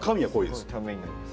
すごいためになります。